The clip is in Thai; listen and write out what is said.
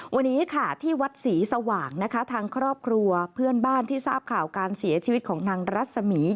วันนี้ค่ะที่วัดศรีสว่างนะคะทางครอบครัวเพื่อนบ้านที่ทราบข่าวการเสียชีวิตของนางรัศมี